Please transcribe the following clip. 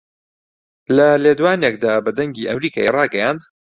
لە لێدوانێکدا بە دەنگی ئەمەریکای ڕاگەیاند